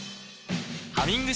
「ハミング」